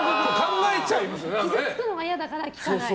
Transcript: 傷つくのが嫌だから聞かない。